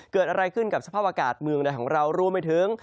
เกิดอะไรขึ้นกับสภาพอากาศเมืองในของเรารวมไปถึง